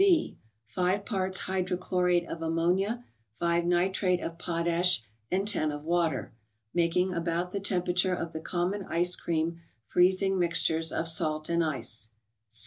B. —Five parts hydrochlorate of ammonia, 5 nitrate of potash, and 10 of water, making about the temperature of the common ice cream freezing mixtures of salt and ice.